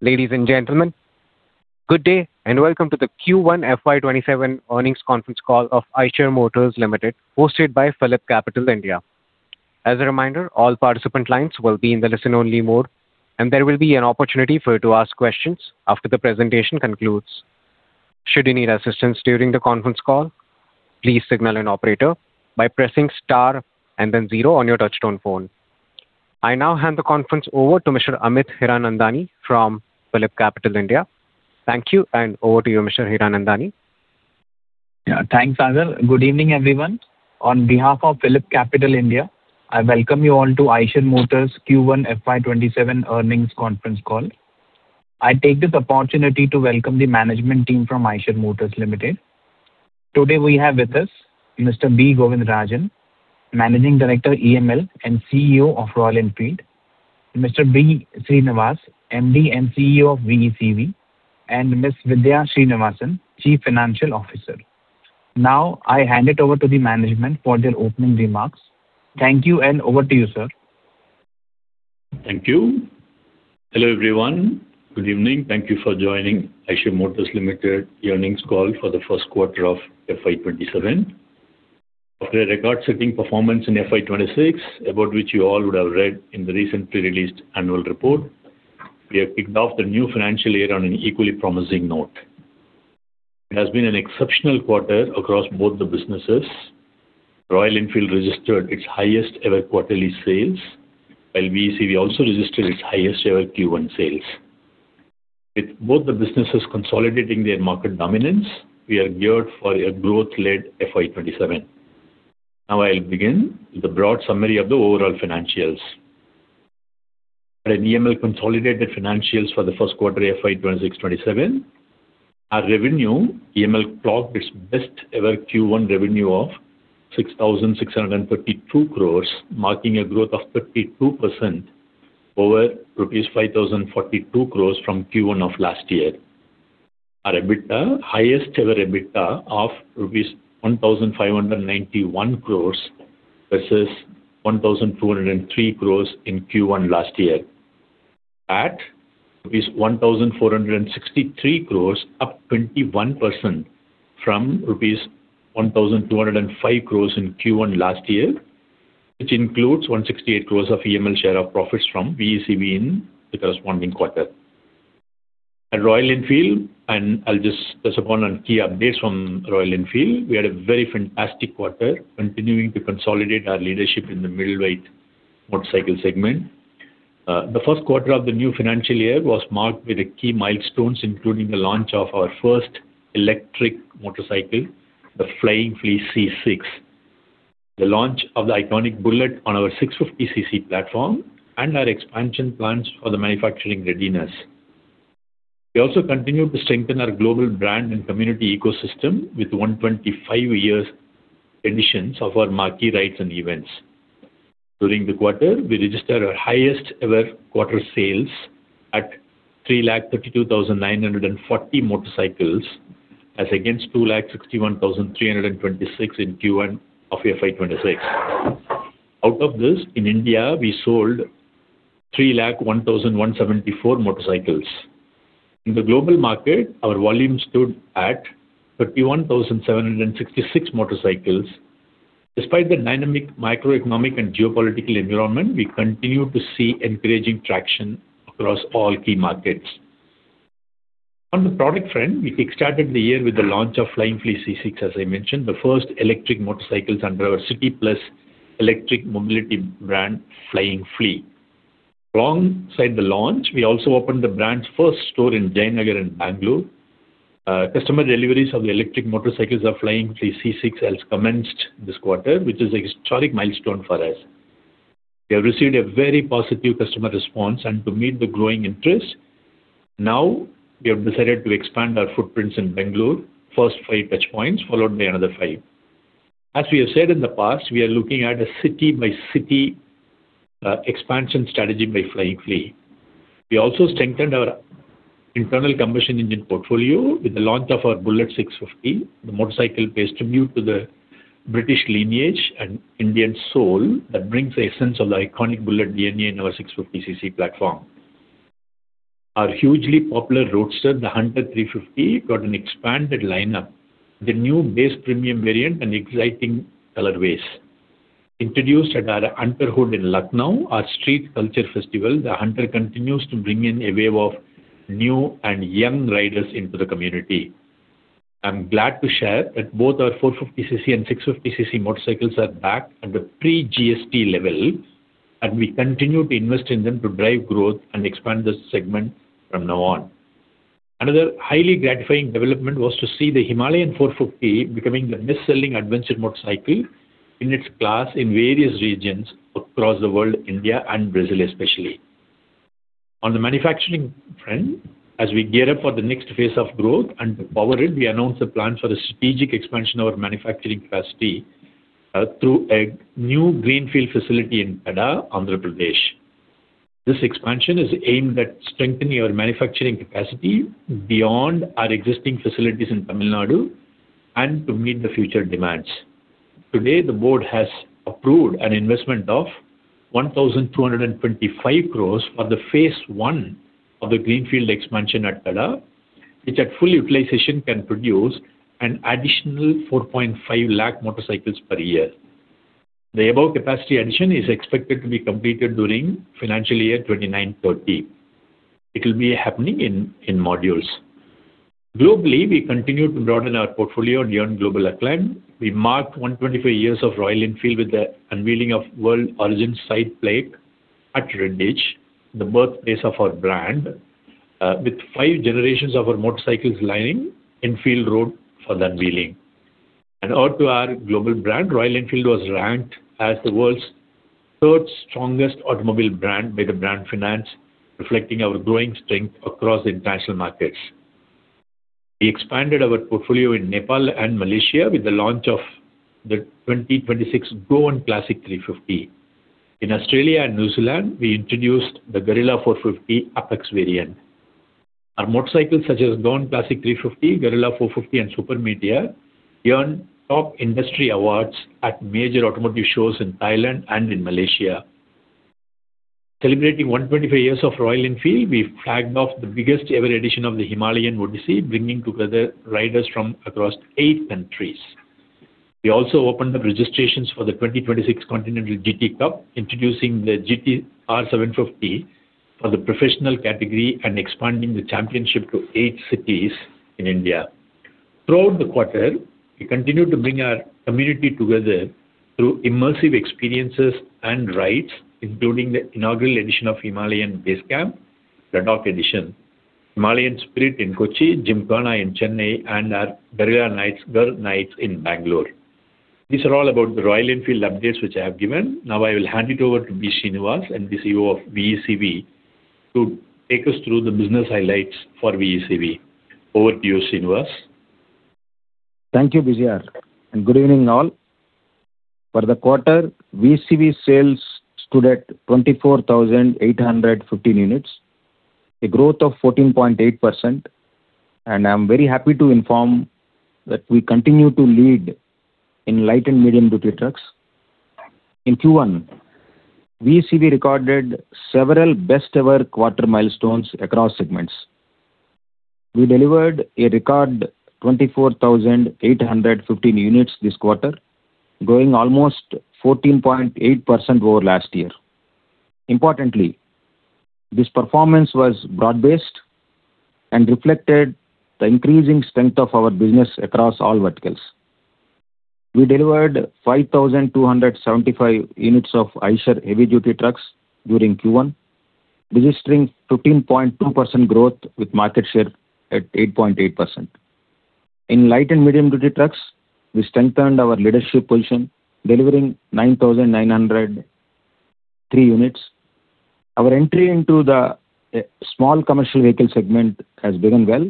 Ladies and gentlemen, good day, and welcome to the Q1 FY 2027 earnings conference call of Eicher Motors Limited, hosted by PhillipCapital India. As a reminder, all participant lines will be in the listen-only mode, and there will be an opportunity for you to ask questions after the presentation concludes. Should you need assistance during the conference call, please signal an operator by pressing star and then zero on your touch-tone phone. I now hand the conference over to Mr. Amit Hiranandani from PhillipCapital India. Thank you, and over to you, Mr. Hiranandani. Yeah. Thanks, Azal. Good evening, everyone. On behalf of PhillipCapital India, I welcome you all to Eicher Motors' Q1 FY 2027 earnings conference call. I take this opportunity to welcome the management team from Eicher Motors Limited. Today we have with us Mr. B. Govindarajan, Managing Director, EML, and CEO of Royal Enfield, Mr. B. Srinivas, MD and CEO of VECV, and Ms. Vidhya Srinivasan, Chief Financial Officer. I hand it over to the management for their opening remarks. Thank you, and over to you, sir. Thank you. Hello, everyone. Good evening. Thank you for joining Eicher Motors Limited earnings call for the first quarter of FY 2027. After a record-setting performance in FY 2026, about which you all would have read in the recently released annual report, we have kicked off the new financial year on an equally promising note. It has been an exceptional quarter across both the businesses. Royal Enfield registered its highest-ever quarterly sales, while VECV also registered its highest-ever Q1 sales. With both the businesses consolidating their market dominance, we are geared for a growth-led FY 2027. I'll begin with a broad summary of the overall financials. At an EML consolidated financials for the first quarter FY 2026-2027, our revenue, EML clocked its best-ever Q1 revenue of 6,632 crore, marking a growth of 32% over INR 5,042 crore from Q1 of last year. Our EBITDA, highest-ever EBITDA of rupees 1,591 crore versus 1,403 crore in Q1 last year. PAT, rupees 1,463 crore, up 21% from rupees 1,205 crore in Q1 last year, which includes 168 crore of EML share of profits from VECV in the corresponding quarter. At Royal Enfield, I'll just touch upon key updates from Royal Enfield. We had a very fantastic quarter, continuing to consolidate our leadership in the middleweight motorcycle segment. The first quarter of the new financial year was marked with key milestones, including the launch of our first electric motorcycle, the Flying Flea C6, the launch of the iconic Bullet on our 650cc platform, and our expansion plans for the manufacturing readiness. We also continued to strengthen our global brand and community ecosystem with 125-year editions of our marquee rides and events. During the quarter, we registered our highest-ever quarter sales at 332,940 motorcycles as against 261,326 in Q1 of FY 2026. Out of this, in India, we sold 301,174 motorcycles. In the global market, our volume stood at 31,766 motorcycles. Despite the dynamic microeconomic and geopolitical environment, we continue to see encouraging traction across all key markets. On the product front, we kick-started the year with the launch of Flying Flea C6, as I mentioned, the first electric motorcycle under our City+ electric mobility brand, Flying Flea. Alongside the launch, we also opened the brand's first store in Jayanagar in Bangalore. Customer deliveries of the electric motorcycles of Flying Flea C6 has commenced this quarter, which is a historic milestone for us. We have received a very positive customer response, and to meet the growing interest, now we have decided to expand our footprints in Bangalore. First five touch points, followed by another five. As we have said in the past, we are looking at a city-by-city expansion strategy by Flying Flea. We also strengthened our internal combustion engine portfolio with the launch of our Bullet 650. The motorcycle pays tribute to the British lineage and Indian soul that brings the essence of the iconic Bullet DNA in our 650cc platform. Our hugely popular roadster, the Hunter 350, got an expanded lineup. The new base premium variant and exciting colorways. Introduced at our Hunterhood in Lucknow, our street culture festival, the Hunter continues to bring in a wave of new and young riders into the community. I'm glad to share that both our 450cc and 650cc motorcycles are back at the pre-GST level, and we continue to invest in them to drive growth and expand this segment from now on. Another highly gratifying development was to see the Himalayan 450 becoming the best-selling adventure motorcycle in its class in various regions across the world, India and Brazil especially. On the manufacturing front, as we gear up for the next phase of growth, and to power it, we announced the plan for the strategic expansion of our manufacturing capacity through a new greenfield facility in Tada, Andhra Pradesh. Today, the Board has approved an investment of 1,225 crore for Phase 1 of the greenfield expansion at Tada, which at full utilization can produce an additional 4.5 lakh motorcycles per year. The above capacity addition is expected to be completed during financial year 2029-2030. It will be happening in modules. Globally, we continue to broaden our portfolio and earn global acclaim. We marked 125 years of Royal Enfield with the unveiling of World Origin Side Plate at Redditch, the birthplace of our brand, with five generations of our motorcycles lining Enfield Road for the unveiling. An ode to our global brand, Royal Enfield was ranked as the world's third strongest automobile brand by the Brand Finance, reflecting our growing strength across the international markets. We expanded our portfolio in Nepal and Malaysia with the launch of the 2026 Goan Classic 350. In Australia and New Zealand, we introduced the Guerrilla 450 Apex variant. Our motorcycles such as Goan Classic 350, Guerrilla 450 and Super Meteor, earn top industry awards at major automotive shows in Thailand and in Malaysia. Celebrating 125 years of Royal Enfield, we've flagged off the biggest-ever edition of the Himalayan Odyssey, bringing together riders from across eight countries. We also opened the registrations for the 2026 Continental GT Cup, introducing the GT-R750 for the professional category and expanding the championship to eight cities in India. Throughout the quarter, we continued to bring our community together through immersive experiences and rides, including the inaugural edition of Himalayan Base Camp, Ladakh edition, Himalayan Spirit in Kochi, Gymkhana in Chennai, and our GRRR Nights in Bangalore. These are all about the Royal Enfield updates, which I have given. I will hand it over to B. Srinivas, MD/CEO of VECV, to take us through the business highlights for VECV. Over to you, Srinivas. Thank you, [inaudible] and good evening all. For the quarter, VECV sales stood at 24,815 units, a growth of 14.8%, and I'm very happy to inform that we continue to lead in light- and medium-duty trucks. In Q1, VECV recorded several best-ever quarter milestones across segments. We delivered a record 24,815 units this quarter, growing almost 14.8% over last year. Importantly, this performance was broad-based and reflected the increasing strength of our business across all verticals. We delivered 5,275 units of Eicher heavy-duty trucks during Q1, registering 15.2% growth, with market share at 8.8%. In light- and medium-duty trucks, we strengthened our leadership position, delivering 9,903 units. Our entry into the small commercial vehicle segment has begun well,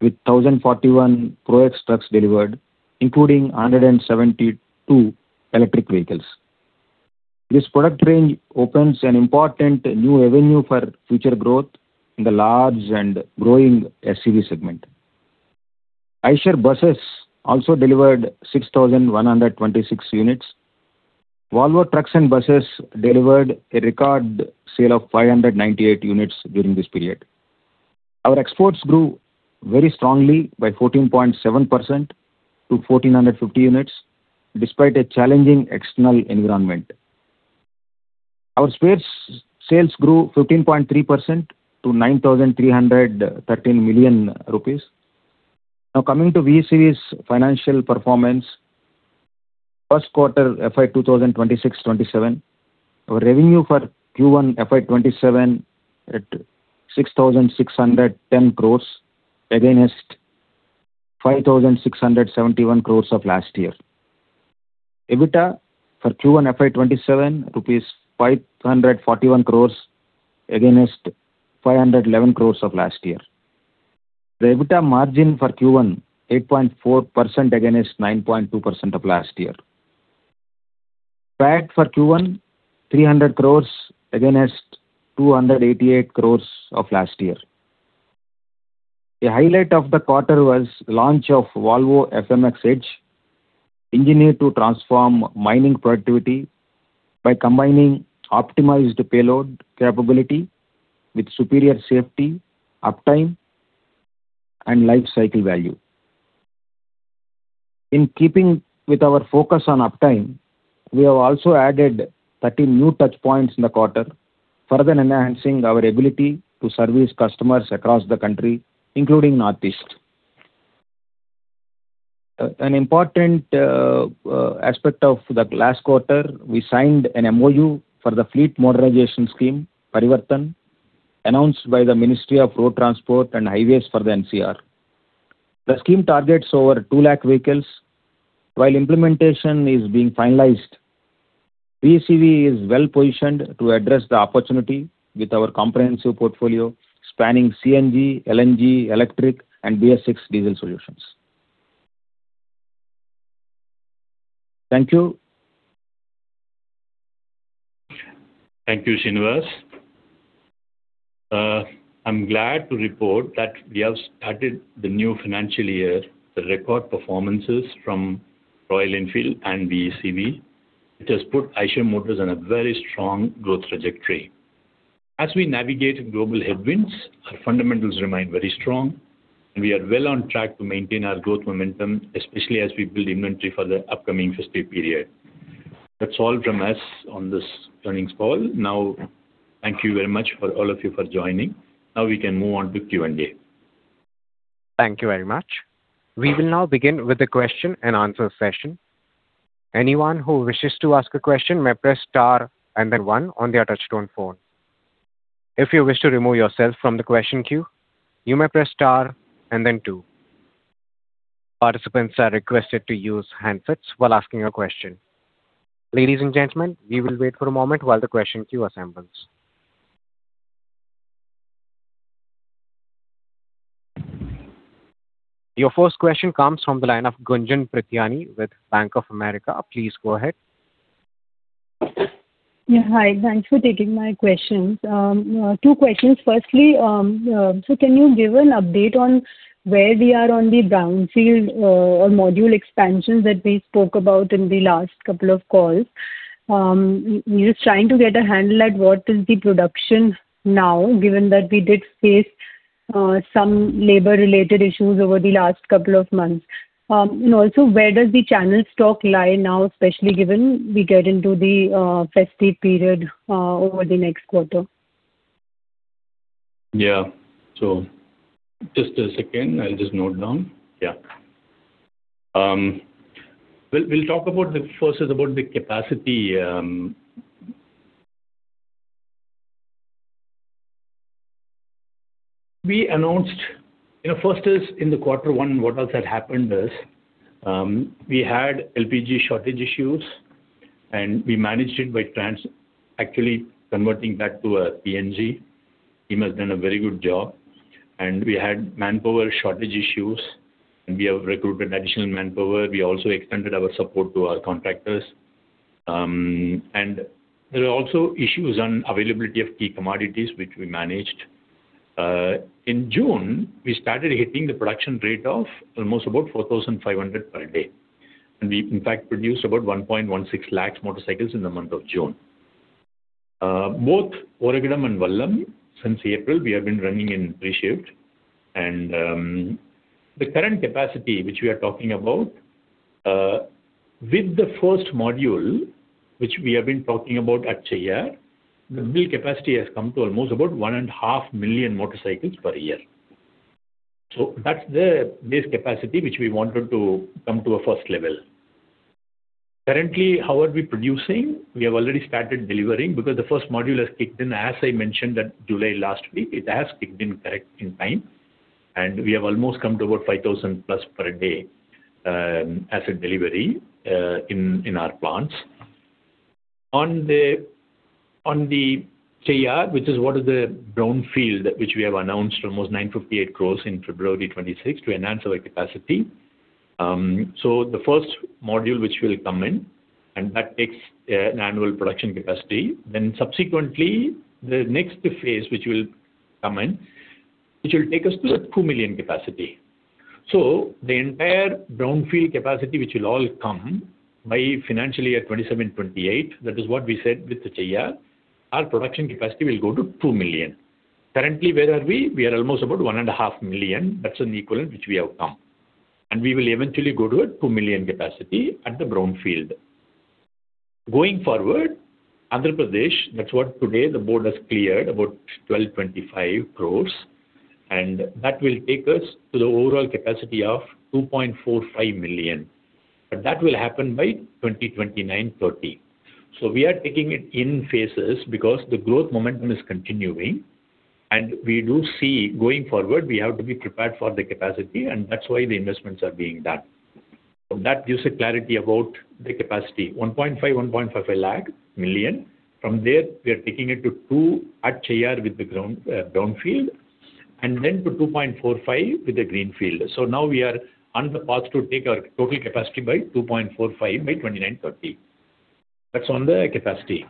with 1,041 Pro X trucks delivered, including 172 electric vehicles. This product range opens an important new avenue for future growth in the large and growing SCV segment. Eicher buses also delivered 6,126 units. Volvo trucks and buses delivered a record sale of 598 units during this period. Our exports grew very strongly by 14.7% to 1,450 units, despite a challenging external environment. Our spares sales grew 15.3% to 9,313 million rupees. Coming to VECV's financial performance. First quarter FY 2026-2027, our revenue for Q1 FY 2027 at 6,610 crore against 5,671 crore of last year. EBITDA for Q1 FY 2027, 541 crore against 511 crore of last year. The EBITDA margin for Q1, 8.4% against 9.2% of last year. PAT for Q1, 300 crore against 288 crore of last year. A highlight of the quarter was launch of Volvo FMXH, engineered to transform mining productivity by combining optimized payload capability with superior safety, uptime, and life cycle value. In keeping with our focus on uptime, we have also added 30 new touchpoints in the quarter, further enhancing our ability to service customers across the country, including Northeast. An important aspect of the last quarter, we signed an MoU for the fleet motorization scheme, PARIVARTAN, announced by the Ministry of Road Transport and Highways for the NCR. The scheme targets over 2 lakh vehicles. While implementation is being finalized, VECV is well-positioned to address the opportunity with our comprehensive portfolio spanning CNG, LNG, electric, and BS-VI diesel solutions. Thank you Thank you, Srinivas. I'm glad to report that we have started the new financial year with record performances from Royal Enfield and VECV, which has put Eicher Motors on a very strong growth trajectory. As we navigate global headwinds, our fundamentals remain very strong, and we are well on track to maintain our growth momentum, especially as we build inventory for the upcoming festive period. That's all from us on this earnings call. Thank you very much all of you for joining. Now we can move on to Q&A. Thank you very much. We will now begin with the question-and-answer session. Anyone who wishes to ask a question may press star and then one on their touch-tone phone. If you wish to remove yourself from the question queue, you may press star and then two. Participants are requested to use handsets while asking a question. Ladies and gentlemen, we will wait for a moment while the question queue assembles. Your first question comes from the line of Gunjan Prithyani with Bank of America. Please go ahead. Yeah, hi. Thanks for taking my questions. Two questions. Firstly, can you give an update on where we are on the brownfield or module expansions that we spoke about in the last couple of calls? We're just trying to get a handle at what is the production now, given that we did face some labor-related issues over the last couple of months. Also, where does the channel stock lie now, especially given we get into the festive period over the next quarter? Yeah. Just a second, I'll just note down. We'll talk first about the capacity. First is, in the quarter one, what else had happened is, we had LPG shortage issues, and we managed it by actually converting back to a PNG. Team has done a very good job. We had manpower shortage issues, and we have recruited additional manpower. We also extended our support to our contractors. There are also issues on availability of key commodities, which we managed. In June, we started hitting the production rate of almost about 4,500 per day. We, in fact, produced about 1.16 lakh motorcycles in the month of June. Both Oragadam and Vallam, since April, we have been running in three shifts. The current capacity which we are talking about, with the first module, which we have been talking about at Cheyyar, the build capacity has come to almost about 1.5 million motorcycles per year. That's the base capacity which we wanted to come to a first level. Currently, how are we producing? We have already started delivering because the first module has kicked in, as I mentioned July last week. It has kicked in correct in time. We have almost come to about 5,000+ per day as a delivery in our plants. On the Cheyyar, which is one of the brownfield, which we have announced almost 958 crore in February 26 to enhance our capacity. The first module which will come in, and that takes an annual production capacity. Subsequently, the next phase which will come in, which will take us to a 2 million capacity. The entire brownfield capacity, which will all come by financial year 2027-2028, that is what we said with the Cheyyar, our production capacity will go to 2 million. Currently, where are we? We are almost about 1.5 million. That's an equivalent which we have come. We will eventually go to a 2 million capacity at the brownfield. Going forward, Andhra Pradesh, that's what today the Board has cleared, about 1,225 crore, and that will take us to the overall capacity of 2.45 million. But that will happen by 2029-2030. We are taking it in phases because the growth momentum is continuing, and we do see going forward, we have to be prepared for the capacity, and that's why the investments are being done. That gives a clarity about the capacity, 1.5 lakh million. From there, we are taking it to 2 million at Cheyyar with the brownfield, and then to 2.45 million with the greenfield. Now we are on the path to take our total capacity by 2.45 million by 2029-2030. That's on the capacity.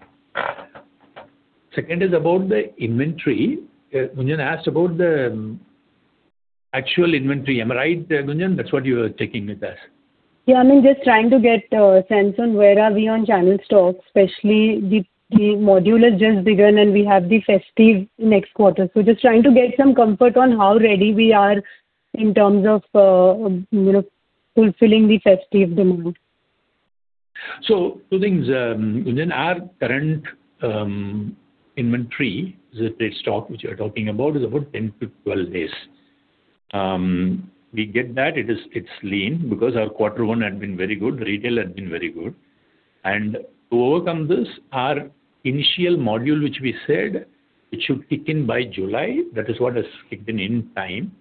Second is about the inventory. Gunjan asked about the actual inventory. Am I right, Gunjan? That's what you were checking with us. Yeah, I'm just trying to get a sense on where are we on channel stock, especially the module has just begun, and we have the festive next quarter. Just trying to get some comfort on how ready we are in terms of fulfilling the festive demand. Two things. Within our current inventory, the stock which you are talking about is about 10-12 days. We get that it is lean because our quarter one had been very good. Retail had been very good. To overcome this, our initial module, which we said it should kick in by July, that is what has kicked in time.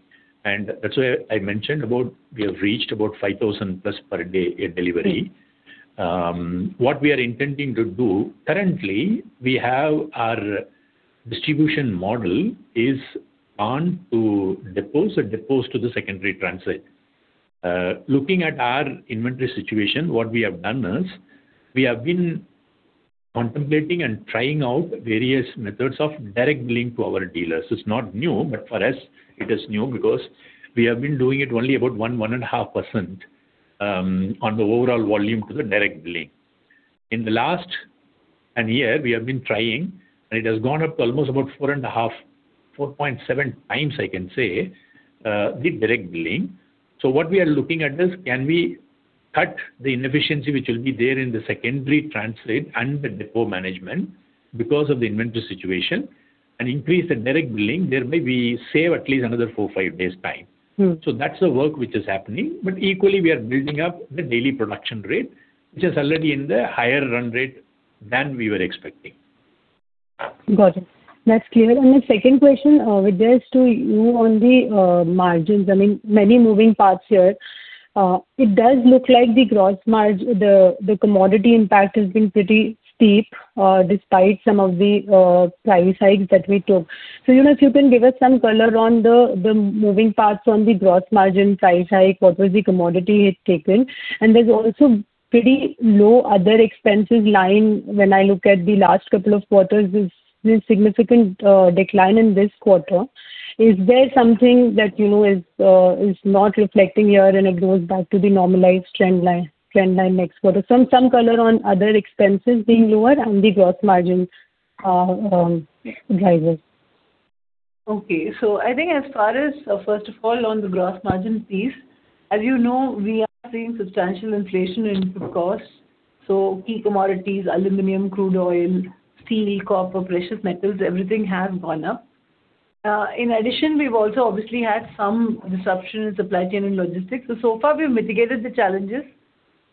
That is why I mentioned about we have reached about 5,000+ per day in delivery. What we are intending to do, currently, our distribution model is on to depose to the secondary transit. Looking at our inventory situation, what we have done is we have been contemplating and trying out various methods of direct billing to our dealers. It is not new, but for us it is new because we have been doing it only about 1.5% on the overall volume through the direct billing. In the last year, we have been trying, and it has gone up to almost about 4.5x-4.7x, I can say, the direct billing. What we are looking at is can we cut the inefficiency which will be there in the secondary transit and the depot management because of the inventory situation, and increase the direct billing. There may be save at least another four or five days time. That is the work which is happening. Equally, we are building up the daily production rate, which is already in the higher run-rate than we were expecting. Got it. That is clear. The second question, with regards to you on the margins, many moving parts here. It does look like the gross margin, the commodity impact has been pretty steep, despite some of the price hikes that we took. If you can give us some color on the moving parts on the gross margin price hike, what was the commodity hit taken? And there is also pretty low other expenses line, when I look at the last couple of quarters, there is a significant decline in this quarter. Is there something that is not reflecting here and it goes back to the normalized trend line next quarter? Some color on other expenses being lower and the gross margin around drivers. I think as far as, first of all, on the gross margin piece, as you know, we are seeing substantial inflation in input costs. Key commodities, aluminum, crude oil, steel, copper, precious metals, everything has gone up. In addition, we've also obviously had some disruption in supply chain and logistics. Far, we've mitigated the challenges,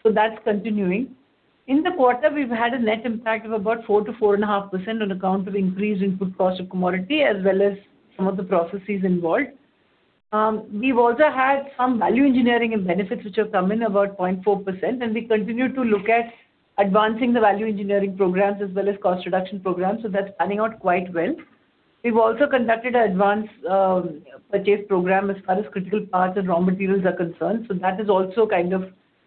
so that's continuing. In the quarter, we've had a net impact of about 4%-4.5% on account of increased input cost of commodity as well as some of the processes involved. We've also had some value engineering and benefits which have come in about 0.4%, and we continue to look at advancing the value engineering programs as well as cost reduction programs. That's panning out quite well. We've also conducted an advanced purchase program as far as critical parts and raw materials are concerned. That is also kind of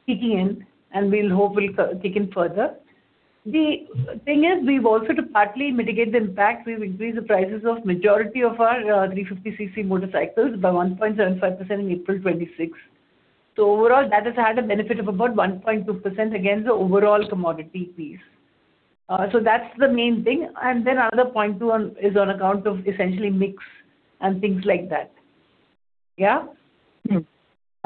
kicking in, and we'll hope will kick in further. The thing is, we've also to partly mitigate the impact, we've increased the prices of majority of our 350cc motorcycles by 1.75% in April 2026. Overall, that has had a benefit of about 1.2% against the overall commodity piece. That's the main thing. Other point, too, is on account of essentially mix and things like that. Yeah?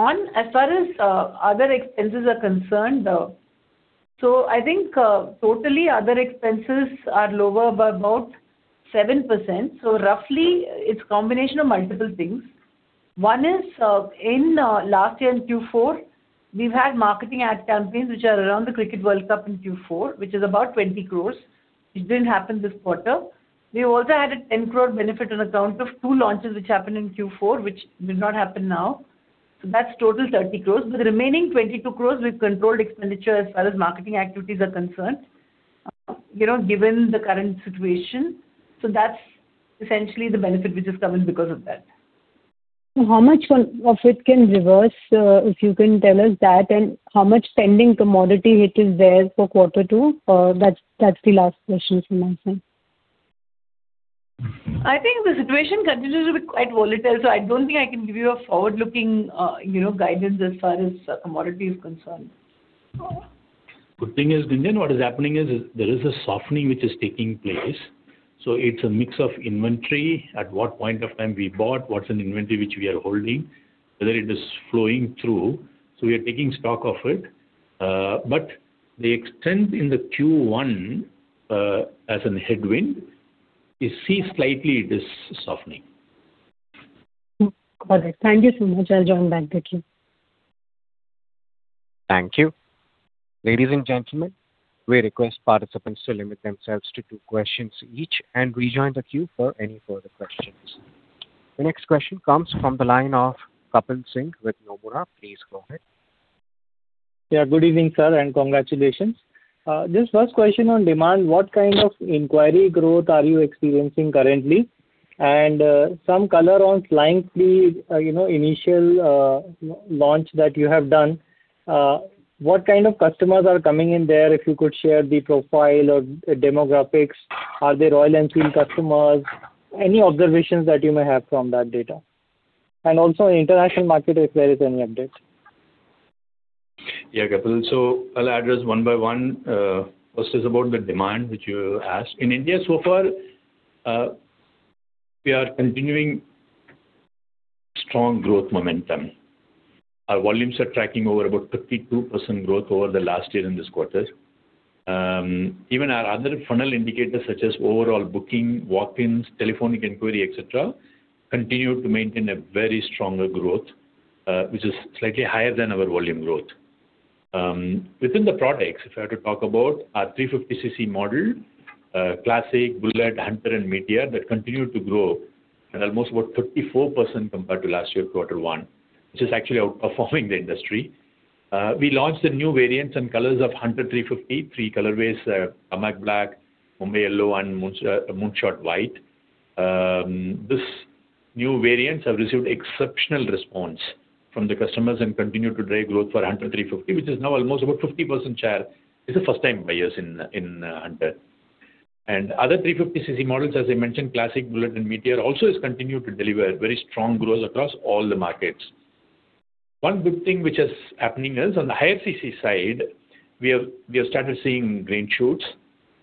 One, as far as other expenses are concerned, I think totally other expenses are lower by about 7%. Roughly, it's a combination of multiple things. One is, in last year in Q4, we've had marketing ad campaigns which are around the Cricket World Cup in Q4, which is about 20 crore. It didn't happen this quarter. We have also had a 10 crore benefit on account of two launches which happened in Q4, which did not happen now. That's total 30 crore. With the remaining 22 crore, we've controlled expenditure as far as marketing activities are concerned, given the current situation. That's essentially the benefit which is covered because of that. How much of it can reverse, if you can tell us that? How much pending commodity hit is there for quarter two? That's the last question from my side. I think the situation continues to be quite volatile. I don't think I can give you a forward-looking guidance as far as commodity is concerned. Good thing is, Gunjan, what is happening is there is a softening which is taking place. It's a mix of inventory, at what point of time we bought, what's an inventory which we are holding, whether it is flowing through. We are taking stock of it. The extent in the Q1, as in headwind, we see slightly it is softening. Got it. Thank you so much. I'll join back the queue. Thank you. Ladies and gentlemen, we request participants to limit themselves to two questions each and rejoin the queue for any further questions. The next question comes from the line of Kapil Singh with Nomura. Please go ahead. Good evening, sir, and congratulations. First question on demand, what kind of inquiry growth are you experiencing currently? Some color on Flying Flea initial launch that you have done. What kind of customers are coming in there? If you could share the profile or demographics. Are they oil and steel customers? Any observations that you may have from that data. Also international market, if there is any update. Kapil. I'll address one by one. First is about the demand, which you asked. In India so far, we are continuing strong growth momentum. Our volumes are tracking over about 52% growth over the last year in this quarter. Even our other funnel indicators such as overall booking, walk-ins, telephonic inquiry, et cetera, continue to maintain a very stronger growth, which is slightly higher than our volume growth. Within the products, if I have to talk about our 350cc model, Classic, Bullet, Hunter, and Meteor, that continued to grow at almost about 34% compared to last year quarter one, which is actually outperforming the industry. We launched the new variants and colors of Hunter 350, three colorways, tarmac black, Mumbai yellow, and moonshot white. These new variants have received exceptional response from the customers and continue to drive growth for Hunter 350, which is now almost about 50% share. It's the first time buyers in Hunter. Other 350cc models, as I mentioned, Classic, Bullet and Meteor also has continued to deliver very strong growth across all the markets. One good thing which is happening is on the higher cc side, we have started seeing green shoots.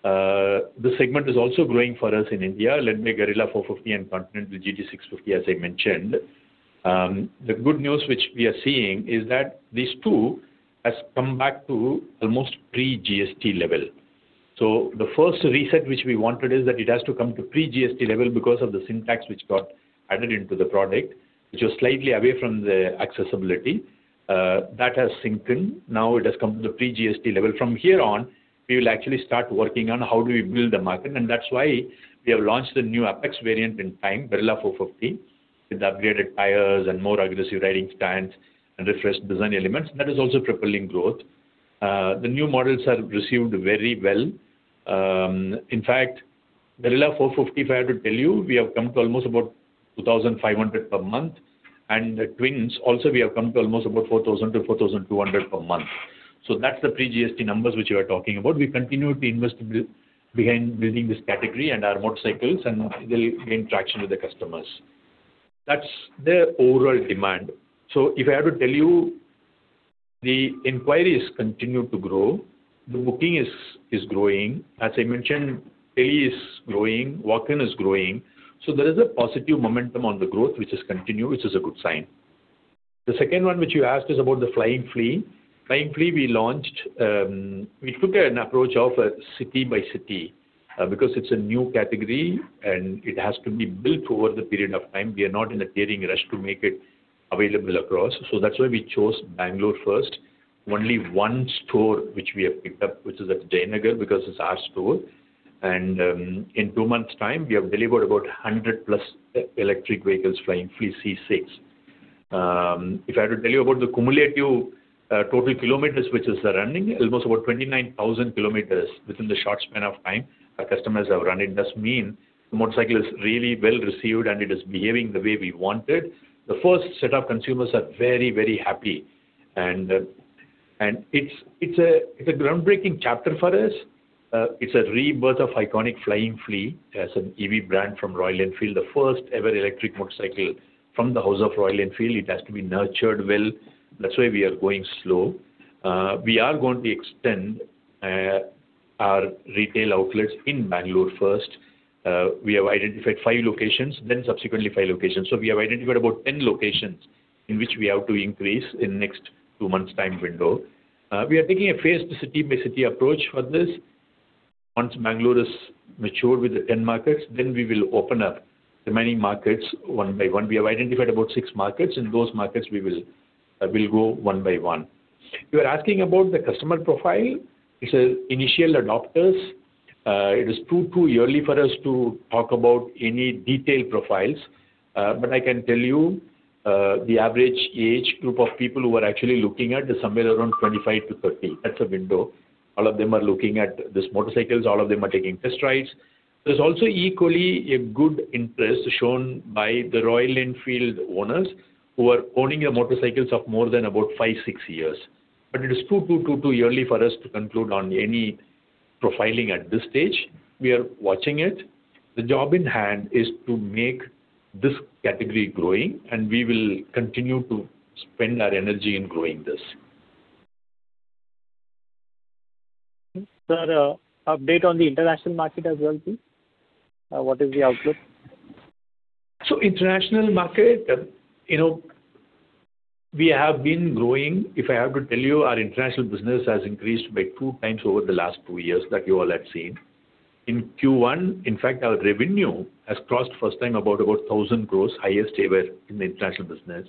This segment is also growing for us in India, led by Guerrilla 450 and Continental GT-650, as I mentioned. The good news which we are seeing is that these two has come back to almost pre-GST level. The first reset which we wanted is that it has to come to pre-GST level because of the sin tax which got added into the product, which was slightly away from the accessibility. That has sinked in. Now it has come to the pre-GST level. From here on, we will actually start working on how do we build the market, that's why we have launched the new Apex variant in time, Guerrilla 450, with upgraded tires and more aggressive riding stance and refreshed design elements. That is also propelling growth. The new models have received very well. In fact, Guerrilla 450, if I have to tell you, we have come to almost about 2,500 per month. The Twins also, we have come to almost about 4,000 to 4,200 per month. That's the pre-GST numbers which you are talking about. We continue to invest behind building this category and our motorcycles and they'll gain traction with the customers. That's the overall demand. If I have to tell you, the inquiry has continued to grow. The booking is growing. As I mentioned, daily is growing, walk-in is growing. There is a positive momentum on the growth which has continued, which is a good sign. The second one which you asked is about the Flying Flea. Flying Flea we launched, we took an approach of city-by-city, because it's a new category, and it has to be built over the period of time. We are not in a tearing rush to make it available across. That's why we chose Bangalore first. Only one store which we have picked up, which is at Jayanagar, because it's our store. In two months' time, we have delivered about 100+ electric vehicles, Flying Flea C6. If I have to tell you about the cumulative total kilometers which is running, almost about 29,000 km within the short span of time our customers have run it. This mean the motorcycle is really well received, and it is behaving the way we wanted. The first set of consumers are very happy. It's a groundbreaking chapter for us. It's a rebirth of iconic Flying Flea as an EV brand from Royal Enfield. The first ever electric motorcycle from the house of Royal Enfield. It has to be nurtured well. That's why we are going slow. We are going to extend our retail outlets in Bangalore first. We have identified five locations, subsequently five locations. We have identified about 10 locations in which we have to increase in next two months' time window. We are taking a phased city-by-city approach for this. Once Bangalore is mature with the end markets, we will open up the many markets one by one. We have identified about six markets. In those markets, we will grow one-by-one. You are asking about the customer profile. It's initial adopters. It is too early for us to talk about any detailed profiles. I can tell you, the average age group of people who are actually looking at is somewhere around 25 to 30. That's a window. All of them are looking at these motorcycles. All of them are taking test rides. There's also equally a good interest shown by the Royal Enfield owners who are owning their motorcycles of more than about five to six years. It is too early for us to conclude on any profiling at this stage. We are watching it. The job in hand is to make this category growing, we will continue to spend our energy in growing this. Sir, update on the international market as well, please. What is the outlook? International market, we have been growing. If I have to tell you, our international business has increased by 2x over the last two years that you all have seen. In Q1, in fact, our revenue has crossed first time about 1,000 crore, highest ever in the international business,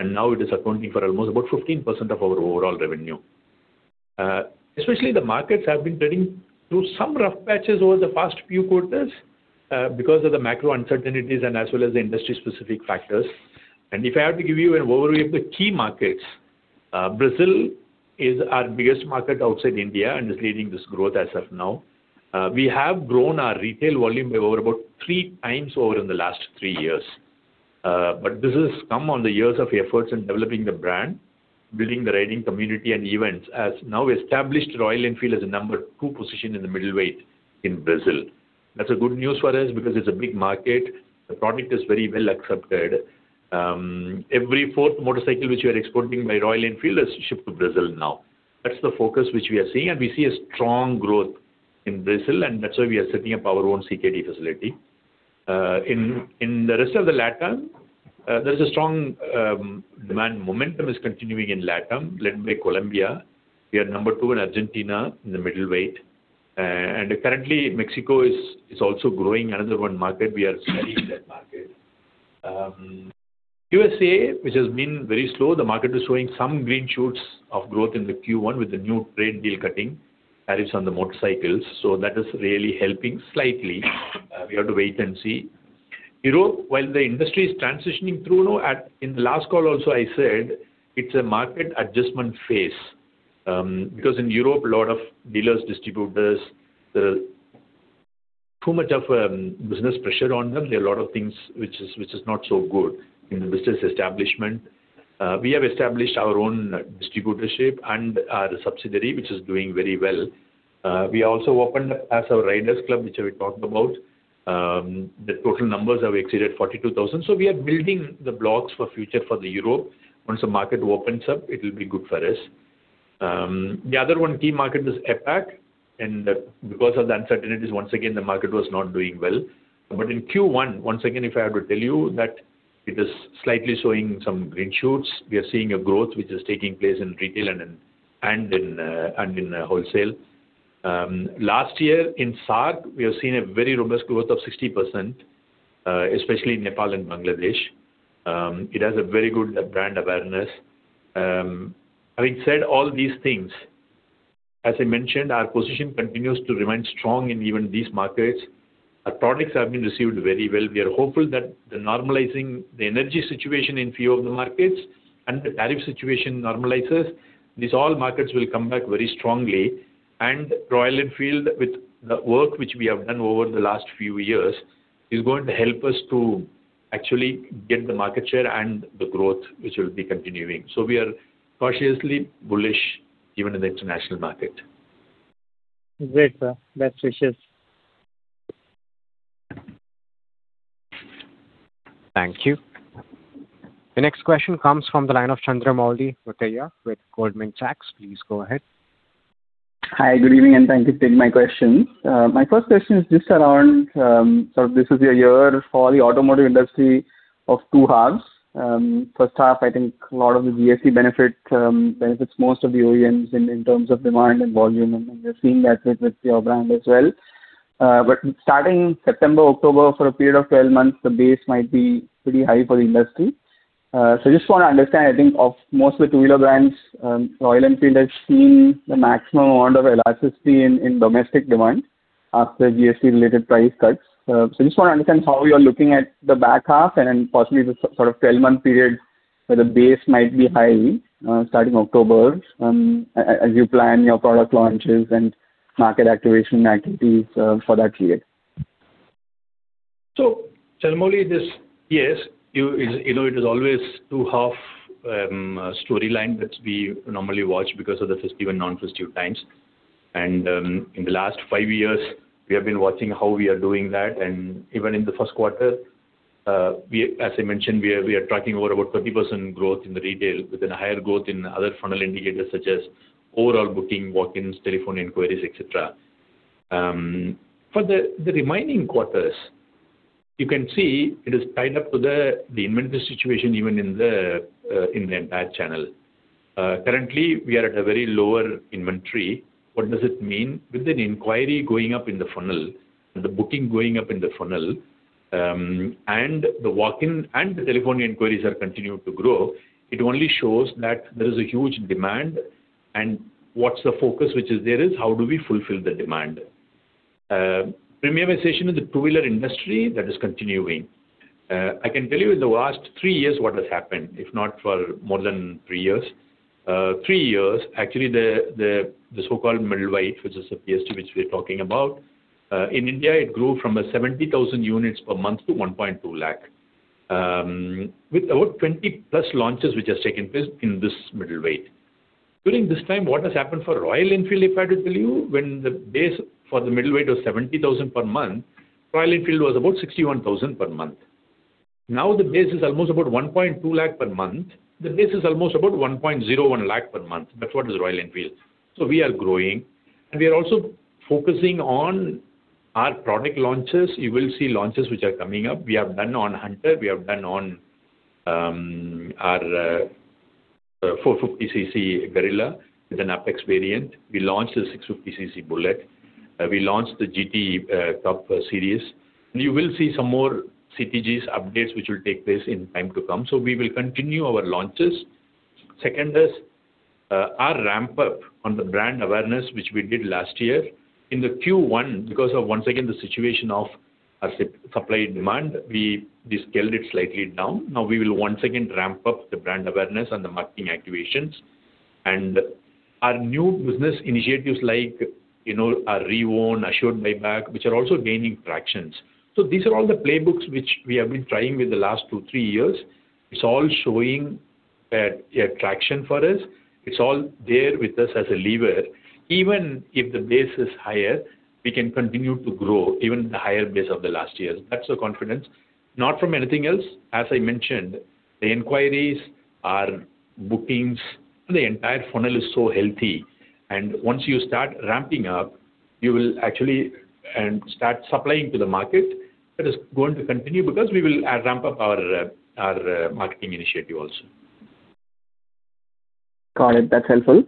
and now it is accounting for almost about 15% of our overall revenue. Especially the markets have been threading through some rough patches over the past few quarters because of the macro uncertainties and as well as the industry specific factors. If I have to give you an overview of the key markets, Brazil is our biggest market outside India and is leading this growth as of now. We have grown our retail volume by over about 3x over in the last three years. This has come on the years of efforts in developing the brand, building the riding community, and events. As now established Royal Enfield as a number two position in the middleweight in Brazil. That's a good news for us because it's a big market. The product is very well accepted. Every fourth motorcycle which we are exporting by Royal Enfield is shipped to Brazil now. That's the focus which we are seeing, and we see a strong growth in Brazil, and that's why we are setting up our own CKD facility. In the rest of LATAM, there's a strong demand. Momentum is continuing in LATAM, led by Colombia. We are number two in Argentina in the middleweight. Currently Mexico is also growing. Another one market we are studying that market. USA, which has been very slow. The market is showing some green shoots of growth in the Q1 with the new trade deal cutting tariffs on the motorcycles. That is really helping slightly. We have to wait and see Europe, while the industry is transitioning through now, in the last call also, I said it's a market adjustment phase. In Europe, a lot of dealers, distributors, too much of business pressure on them. There are a lot of things which is not so good in the business establishment. We have established our own distributorship and our subsidiary, which is doing very well. We also opened as our Riders Club, which we talked about. The total numbers have exceeded 42,000. We are building the blocks for future for Europe. Once the market opens up, it will be good for us. The other one key market is APAC. Because of the uncertainties, once again, the market was not doing well. In Q1, once again, if I were to tell you that it is slightly showing some green shoots. We are seeing a growth which is taking place in retail and in wholesale. Last year in SAARC, we have seen a very robust growth of 60%, especially in Nepal and Bangladesh. It has a very good brand awareness. Having said all these things, as I mentioned, our position continues to remain strong in even these markets. Our products have been received very well. We are hopeful that the normalizing, the energy situation in few of the markets and the tariff situation normalizes. These all markets will come back very strongly. Royal Enfield with the work which we have done over the last few years is going to help us to actually get the market share and the growth which will be continuing. We are cautiously bullish even in the international market. Great, sir. Best wishes. Thank you. The next question comes from the line of Chandramouli Muthiah with Goldman Sachs. Please go ahead. Hi, good evening. Thank you for taking my questions. My first question is just around. This is a year for the automotive industry of two halves. First half, I think a lot of the GST benefits most of the OEMs in terms of demand and volume. We're seeing that with your brand as well. Starting September-October, for a period of 12 months, the base might be pretty high for the industry. I just want to understand, I think of most of the two-wheeler brands, Royal Enfield has seen the maximum amount of elasticity in domestic demand after GST-related price cuts. I just want to understand how you're looking at the back half and then possibly the sort of 12-month period where the base might be high starting October, as you plan your product launches and market activation activities for that period. Chandramouli, yes, it is always two half storyline that we normally watch because of the festive and non-festive times. In the last five years, we have been watching how we are doing that, and even in the first quarter, as I mentioned, we are tracking over about 30% growth in the retail with a higher growth in other funnel indicators such as overall booking, walk-ins, telephone inquiries, et cetera. For the remaining quarters, you can see it is tied up to the inventory situation even in the entire channel. Currently, we are at a very lower inventory. What does it mean? With an inquiry going up in the funnel and the booking going up in the funnel and the walk-in and the telephone inquiries are continuing to grow, it only shows that there is a huge demand. What's the focus which is there is how do we fulfill the demand? Premiumization in the two-wheeler industry, that is continuing. I can tell you in the last three years what has happened, if not for more than three years. Three years, actually the so-called middle-weight, which is a PSM which we're talking about. In India, it grew from 70,000 units per month to 1.2 lakh. With over 20+ launches which has taken place in this middle-weight. During this time, what has happened for Royal Enfield, if I were to tell you when the base for the middle-weight was 70,000 per month, Royal Enfield was about 61,000 per month. Now the base is almost about 1.2 lakh per month. The base is almost about 1.01 lakh per month. That's what is Royal Enfield. We are growing, and we are also focusing on our product launches. You will see launches which are coming up. We have done on Hunter. We have done on our 450cc Guerrilla with an Apex variant. We launched a 650cc Bullet. We launched the GT Top Series. You will see some more CTGs updates, which will take place in time to come. We will continue our launches. Second is our ramp-up on the brand awareness, which we did last year. In the Q1, because of, once again, the situation of our supply and demand, we scaled it slightly down. We will once again ramp-up the brand awareness and the marketing activations. Our new business initiatives like our Reown, Assured Buyback, which are also gaining tractions. These are all the playbooks which we have been trying with the last two, three years. It's all showing that they are traction for us. It's all there with us as a lever. Even if the base is higher, we can continue to grow even the higher base of the last years. That's the confidence. Not from anything else. As I mentioned, the inquiries, our bookings, the entire funnel is so healthy. Once you start ramping-up, you will actually start supplying to the market. That is going to continue because we will ramp up our marketing initiative also. Got it. That's helpful.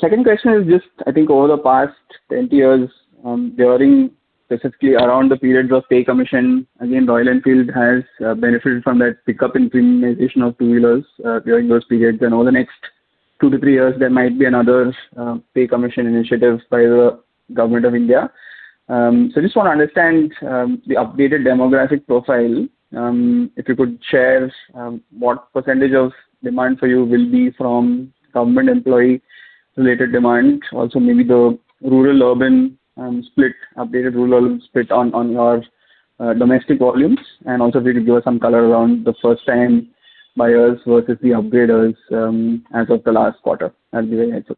Second question is, I think over the past 20 years, during specifically around the periods of Pay Commission, Royal Enfield has benefited from that pickup in premiumization of two-wheelers during those periods and over the next two to three years, there might be another Pay Commission initiative by the Government of India. I just want to understand the updated demographic profile. If you could share what percentage of demand for you will be from government employee-related demand. Maybe the updated rural, urban split on your domestic volumes, and if you could give us some color around the first-time buyers versus the upgraders as of the last quarter. That'd be very helpful.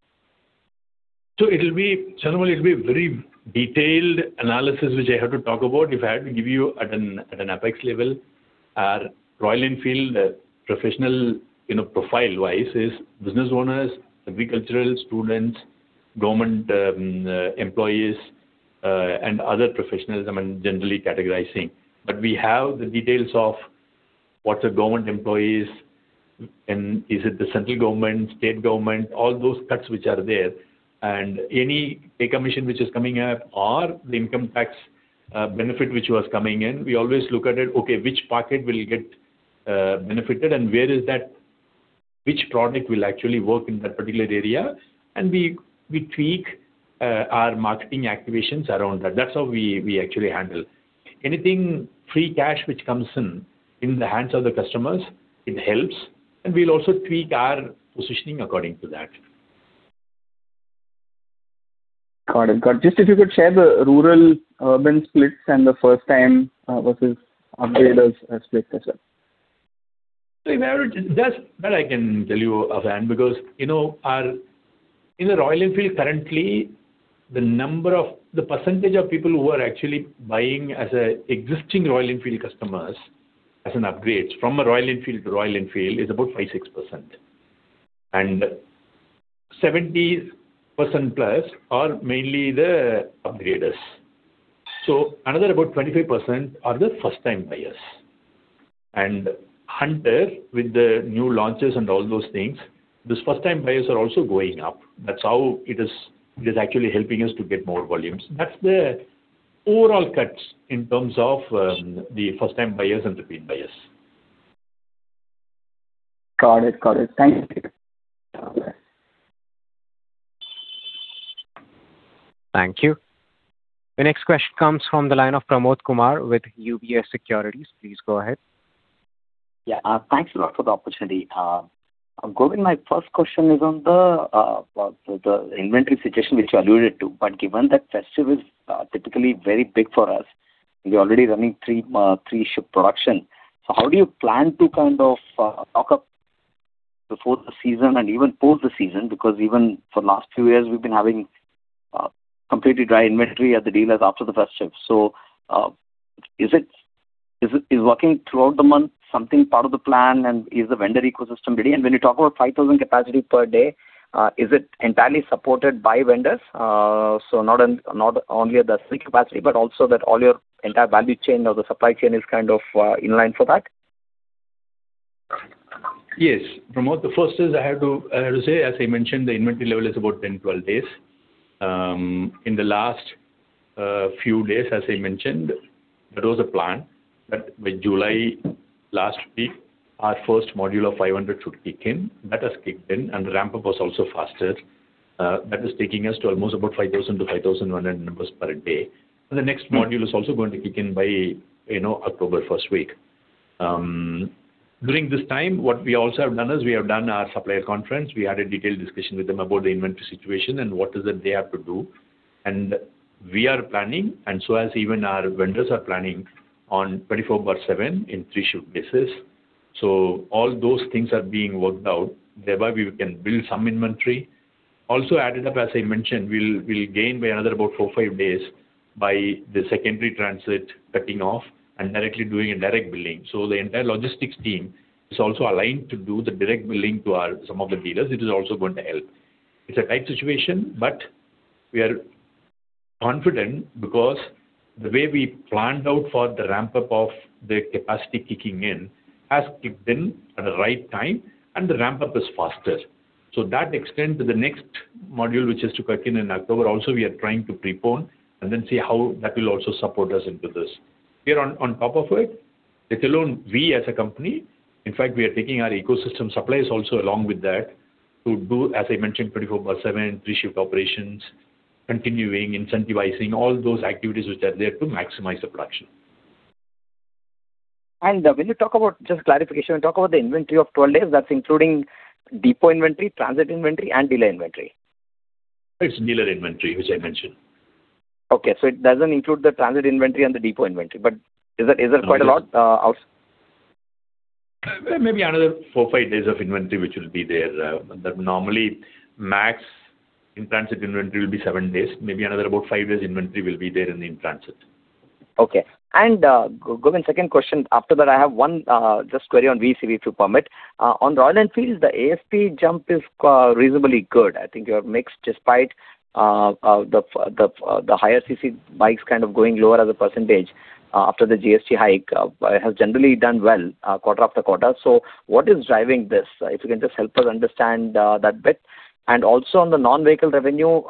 Chandramouli, it'll be a very detailed analysis which I have to talk about. If I had to give you at an apex level, our Royal Enfield professional profile-wise is business owners, agricultural, students, government employees, and other professionals I'm generally categorizing. We have the details of what are government employees, and is it the central government, state government, all those cuts which are there. Any Pay Commission which is coming up or the income tax benefit which was coming in, we always look at it, okay, which pocket will get benefited and which product will actually work in that particular area? We tweak our marketing activations around that. That's how we actually handle. Anything free cash which comes in the hands of the customers, it helps, and we'll also tweak our positioning according to that. Got it. Just if you could share the rural, urban splits and the first time versus upgraders split as well. That I can tell you offhand because in the Royal Enfield currently, the percentage of people who are actually buying as existing Royal Enfield customers, as an upgrade from a Royal Enfield to Royal Enfield, is about 5%-6%. 70%+ are mainly the upgraders. Another about 25% are the first-time buyers. Hunter, with the new launches and all those things, these first-time buyers are also going up. That's how it is actually helping us to get more volumes. That's the overall cuts in terms of the first-time buyers and repeat buyers. Got it. Thank you. Thank you. The next question comes from the line of Pramod Kumar with UBS Securities. Please go ahead. Thanks a lot for the opportunity. [Govin], my first question is on the inventory situation which you alluded to. Given that festive is typically very big for us, you are already running three-shift production. How do you plan to stock up before the season and even post the season? Even for the last few years, we have been having completely dry inventory at the dealers after the festive. Is working throughout the month something part of the plan, and is the vendor ecosystem ready? When you talk about 5,000 capacity per day, is it entirely supported by vendors? Not only the free capacity, but also that all your entire value chain or the supply chain is kind of in line for that? Yes, Pramod, the first is I have to say, as I mentioned, the inventory level is about 10-12 days. In the last few days, as I mentioned, that was the plan, that by July last week, our first module of 500 should kick in. That has kicked in, and the ramp-up was also faster. That is taking us to almost about 5,000-5,100 numbers per day. The next module is also going to kick in by October first week. During this time, what we also have done is we have done our supplier conference. We had a detailed discussion with them about the inventory situation and what is it they have to do. We are planning, and as even our vendors are planning on 24/7 in three-shift basis. All those things are being worked out. Thereby, we can build some inventory. Also added up, as I mentioned, we'll gain by another about four, five days by the secondary transit cutting off and directly doing a direct billing. The entire logistics team is also aligned to do the direct billing to some of the dealers. It is also going to help. It's a tight situation, but we are confident because the way we planned out for the ramp-up of the capacity kicking in has kicked in at the right time, and the ramp-up is faster. That extend to the next module, which is to kick in in October also, we are trying to prepone and then see how that will also support us into this. We are on top of it. Let alone we as a company. In fact, we are taking our ecosystem suppliers also along with that to do, as I mentioned, 24/7, three-shift operations, continuing incentivizing all those activities which are there to maximize the production. When you talk about, just clarification, when you talk about the inventory of 12 days, that's including depot inventory, transit inventory, and dealer inventory? It's dealer inventory, which I mentioned. Okay. It doesn't include the transit inventory and the depot inventory. Is it quite a lot out? Maybe another four to five days of inventory, which will be there. Normally, max in-transit inventory will be seven days. Maybe another about five days inventory will be there in transit. Okay. [Govin], second question. After that I have one query on VECV, if you permit. On Royal Enfields, the ASP jump is reasonably good. I think your mix, despite the higher cc bikes kind of going lower as a percentage after the GST hike, has generally done well quarter after quarter. What is driving this? If you can just help us understand that bit. Also on the non-vehicle revenue,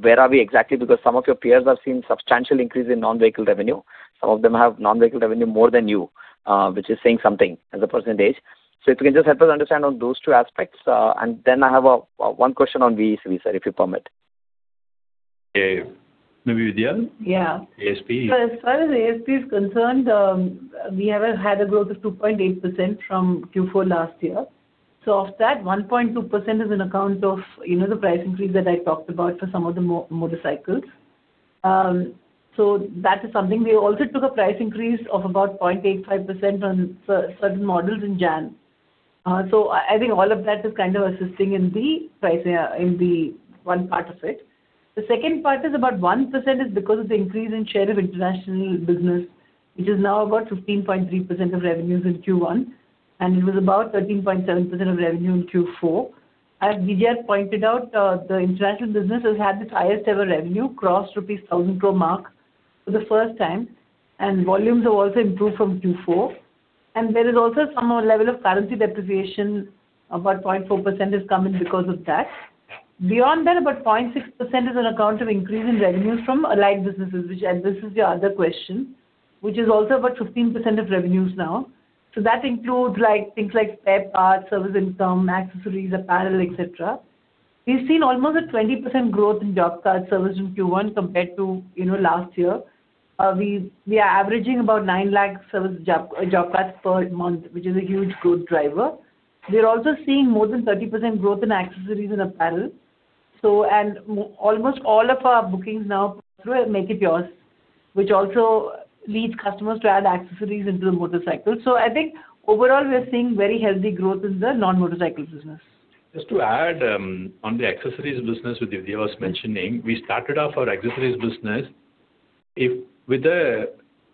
where are we exactly? Some of your peers have seen substantial increase in non-vehicle revenue. Some of them have non-vehicle revenue more than you, which is saying something as a %. If you can just help us understand on those two aspects. Then I have one question on VECV, sir, if you permit. Maybe Vidhya? Yeah. ASP. As far as ASP is concerned, we have had a growth of 2.8% from Q4 last year. Of that, 1.2% is in account of the price increase that I talked about for some of the motorcycles. That is something. We also took a price increase of about 0.85% on certain models in January. I think all of that is kind of assisting in the one part of it. The second part is about 1%, is because of the increase in share of international business, which is now about 15.3% of revenues in Q1, and it was about 13.7% of revenue in Q4. As [inaudible] pointed out, the international business has had its highest-ever revenue, crossed rupees 1,000 crore-mark for the first time, and volumes have also improved from Q4. There is also some level of currency depreciation, about 0.4% has come in because of that. Beyond that, about 0.6% is on account of increase in revenues from allied businesses, which addresses your other question, which is also about 15% of revenues now. That includes things like spare parts, service income, accessories, apparel, et cetera. We've seen almost a 20% growth in job card service in Q1 compared to last year. We are averaging about 9 lakh job cards per month, which is a huge growth driver. We are also seeing more than 30% growth in accessories and apparel. Almost all of our bookings now through Make It Yours, which also leads customers to add accessories into the motorcycle. I think overall, we are seeing very healthy growth in the non-motorcycle business. Just to add, on the accessories business, which Vidhya was mentioning, we started off our accessories business with a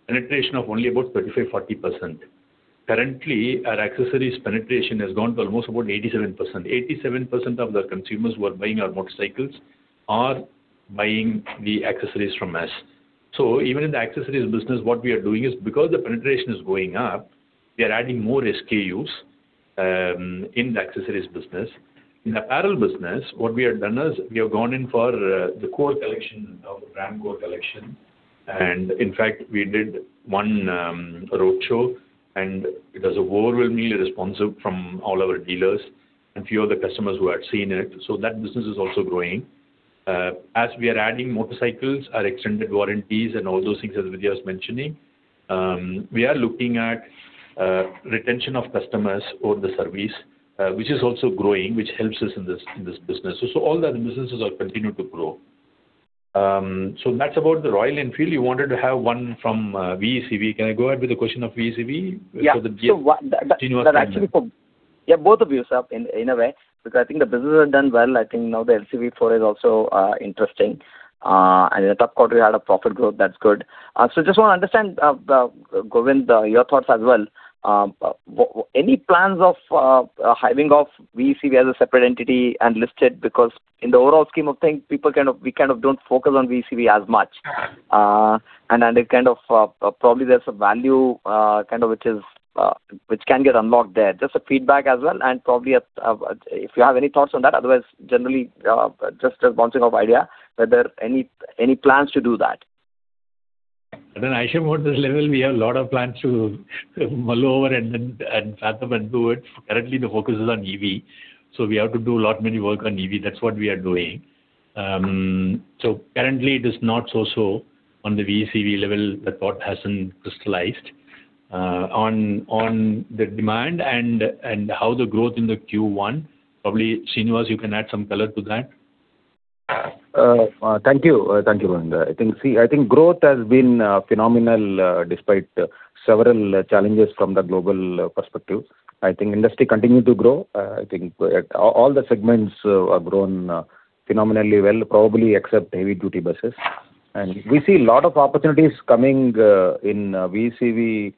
penetration of only about 35%-40%. Currently, our accessories penetration has gone to almost about 87%. 87% of the consumers who are buying our motorcycles are buying the accessories from us. Even in the accessories business, what we are doing is, because the penetration is going up, we are adding more SKUs in the accessories business. In apparel business, what we have done is, we have gone in for the core collection of the brand core collection, and in fact, we did one roadshow, and it has a whirlwind response from all our dealers and few of the customers who had seen it. That business is also growing. As we are adding motorcycles, our extended warranties and all those things that Vidhya was mentioning, we are looking at retention of customers over the service, which is also growing, which helps us in this business. All the businesses have continued to grow. That's about the Royal Enfield. You wanted to have one from VECV. Can I go ahead with the question of VECV? Yeah. Yeah, both of you, sir, in a way, because I think the business has done well. I think now the LCV 4 is also interesting. In the top quarter, you had a profit growth. That's good. Just want to understand, Govindarajan, your thoughts as well. Any plans of hiving off VECV as a separate entity and list it? Because in the overall scheme of things, we kind of don't focus on VECV as much. Then probably there's a value which can get unlocked there. Just a feedback as well, probably if you have any thoughts on that. Otherwise, generally, just a bouncing of idea, whether any plans to do that. I share about this level, we have a lot of plans to mull over and fathom and do it. Currently, the focus is on EV. We have to do a lot many work on EV. That's what we are doing. Currently it is not so on the VECV level, the thought hasn't crystallized. On the demand and how the growth in the Q1, probably, Srinivas, you can add some color to that. Thank you. Thank you, Govindarajan. See, I think growth has been phenomenal despite several challenges from the global perspective. I think industry continued to grow. I think all the segments have grown phenomenally well, probably except heavy duty buses. We see a lot of opportunities coming in VECV,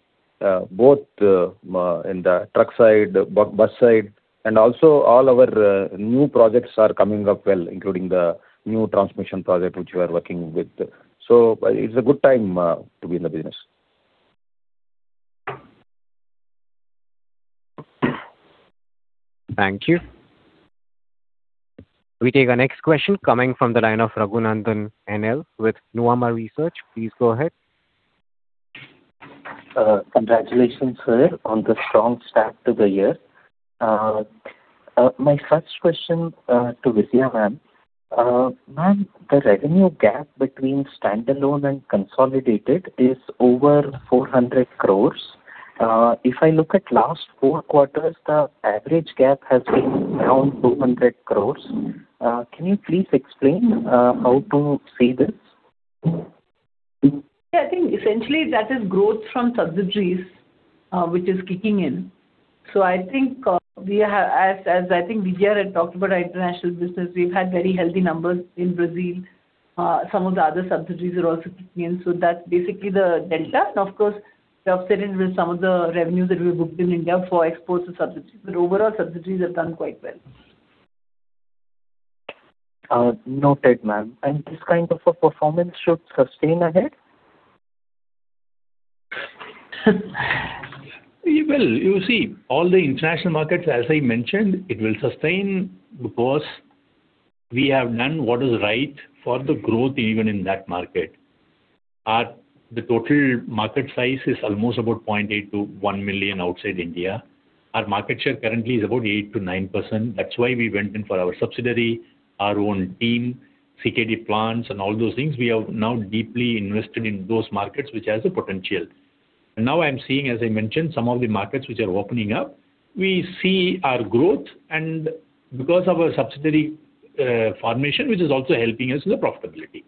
both in the truck side, bus side, also all our new projects are coming up well, including the new transmission project which we are working with. It's a good time to be in the business. Thank you. We take our next question coming from the line of Raghunandan NL with Nuvama Research. Please go ahead. Congratulations, sir, on the strong start to the year. My first question to Vidhya, ma'am. Ma'am, the revenue gap between standalone and consolidated is over 400 crore. If I look at last four quarters, the average gap has been around 200 crore. Can you please explain how to see this? Yeah, I think essentially that is growth from subsidiaries, which is kicking in. I think as Govindarajan had talked about international business, we've had very healthy numbers in Brazil. Some of the other subsidiaries are also kicking in. That's basically the delta. And of course, the offset in with some of the revenues that we booked in India for exports to subsidiaries. But overall, subsidiaries have done quite well. Noted, ma'am. This kind of a performance should sustain ahead? Well, you see, all the international markets, as I mentioned, it will sustain because we have done what is right for the growth even in that market. The total market size is almost about 0.8 to 1 million outside India. Our market share currently is about 8%-9%. That is why we went in for our subsidiary, our own team, CKD plants, and all those things. We are now deeply invested in those markets, which has the potential. Now I am seeing, as I mentioned, some of the markets which are opening up. We see our growth and because of our subsidiary formation, which is also helping us with the profitability.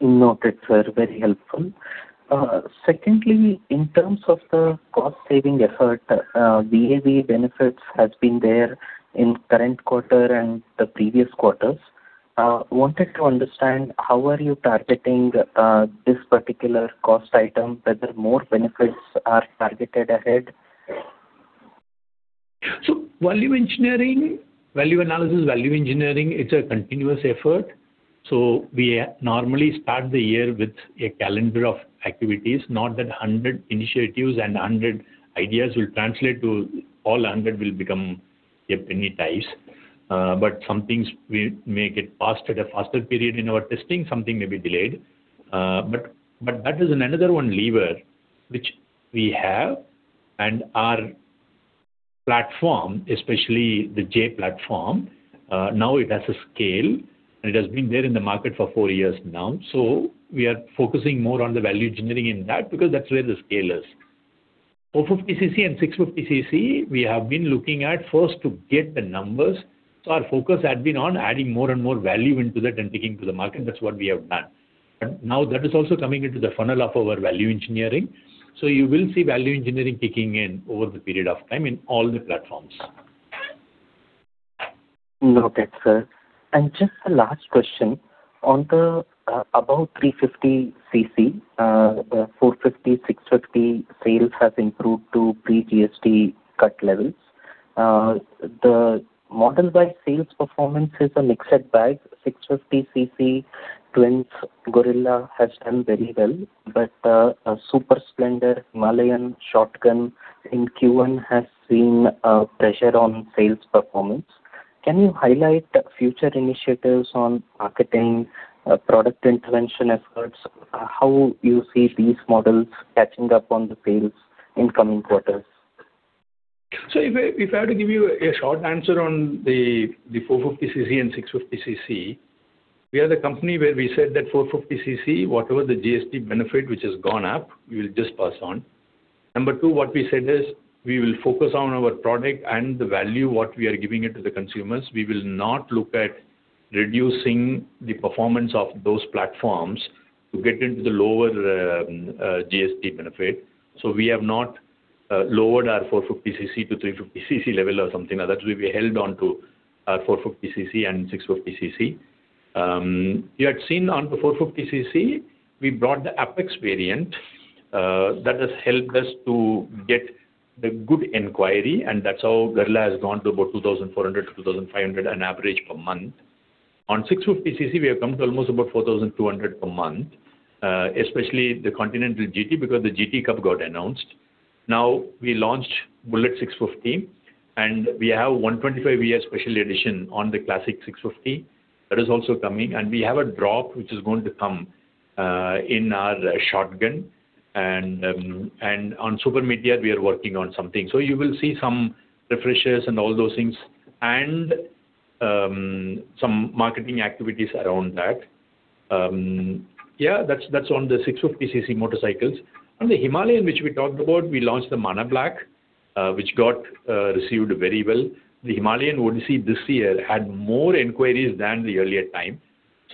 Noted, sir. Very helpful. Secondly, in terms of the cost-saving effort, value analysis, value engineering benefits has been there in current quarter and the previous quarters. I wanted to understand how are you targeting this particular cost item, whether more benefits are targeted ahead? Value analysis, value engineering, it's a continuous effort. We normally start the year with a calendar of activities. Not that 100 initiatives and 100 ideas will translate to all 100 will become a penny-wise. Some things may get passed at a faster period in our testing, something may be delayed. That is another one lever which we have and our platform, especially the J-Series platform, now it has a scale, and it has been there in the market for four years now. We are focusing more on the value engineering in that, because that's where the scale is. 450cc and 650cc, we have been looking at first to get the numbers. Our focus had been on adding more and more value into that and taking to the market. That's what we have done. Now that is also coming into the funnel of our value engineering. You will see value engineering kicking in over the period of time in all the platforms. Noted, sir. Just a last question. On the above 350cc, the 450, 650 sales have improved to pre-GST cut levels. The model by sales performance is a mixed bag. 650cc twins Guerrilla has done very well, but Super Splendor, Himalayan, Shotgun in Q1 has seen a pressure on sales performance. Can you highlight future initiatives on marketing, product intervention efforts? How you see these models catching up on the sales in coming quarters? If I had to give you a short answer on the 450cc and 650cc, we are the company where we said that 450cc, whatever the GST benefit which has gone up, we will just pass on. Number two, what we said is we will focus on our product and the value, what we are giving it to the consumers. We will not look at reducing the performance of those platforms to get into the lower GST benefit. We have not lowered our 450cc to 350cc level or something like that. We held on to our 450cc and 650cc. You had seen on the 450cc, we brought the Apex variant. That has helped us to get the good inquiry, and that's how Guerrilla has gone to about 2,400 to 2,500 on average per month. On 650cc, we have come to almost about 4,200 per month, especially the Continental GT, because the GT Cup got announced. We launched Bullet 650, and we have 125-year special edition on the Classic 650. That is also coming. We have a drop which is going to come in our Shotgun. On Super Meteor, we are working on something. You will see some refreshes and all those things and some marketing activities around that. Yeah, that's on the 650cc motorcycles. On the Himalayan, which we talked about, we launched the Mana Black, which got received very well. The Himalayan, what you see this year, had more inquiries than the earlier time.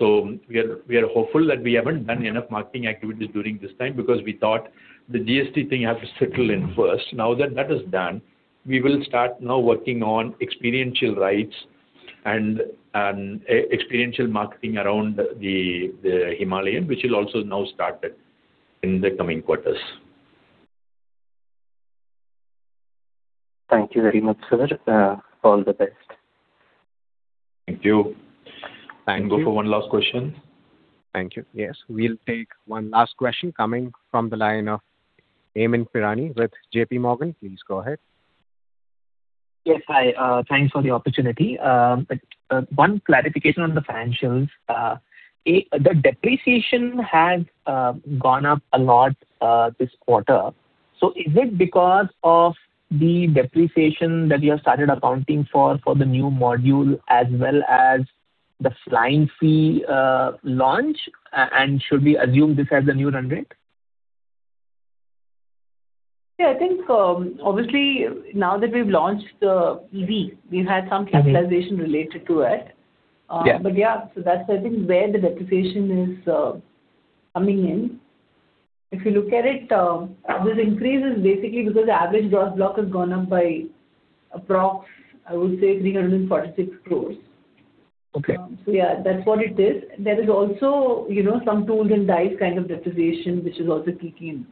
We are hopeful that we haven't done enough marketing activities during this time because we thought the GST thing has to settle in first. That is done, we will start now working on experiential rides and experiential marketing around the Himalayan, which will also now started in the coming quarters. Thank you very much, sir. All the best. Thank you. We can go for one last question. Thank you. Yes. We'll take one last question coming from the line of Amyn Pirani with JPMorgan. Please go ahead. Yes. Hi. Thanks for the opportunity. One clarification on the financials. The depreciation has gone up a lot this quarter. Is it because of the depreciation that you have started accounting for the new module as well as the Flying Flea launch? Should we assume this as the new run rate? I think obviously now that we've launched the EV, we've had some capitalization related to it. Yeah. That's I think where the depreciation is coming in. If you look at it, this increase is basically because the average gross block has gone up by approx. I would say 346 crore. Okay. That's what it is. There is also some tools and dies kind of depreciation, which is also kicking in.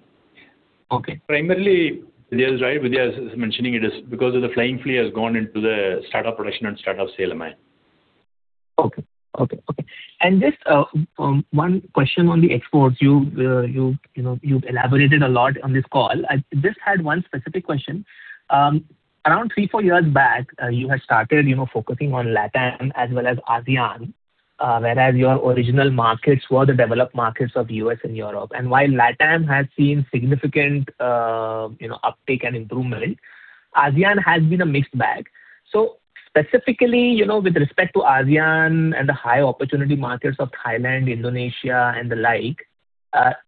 Okay. Primarily, Vidhya is right. Vidhya is mentioning it is because of the Flying Flea has gone into the start of production and start of sale. Okay. Just one question on the exports. You've elaborated a lot on this call. I just had one specific question. Around three, four years back, you had started focusing on LATAM as well as ASEAN, whereas your original markets were the developed markets of U.S. and Europe. While LATAM has seen significant uptake and improvement, ASEAN has been a mixed bag. Specifically, with respect to ASEAN and the high opportunity markets of Thailand, Indonesia, and the like,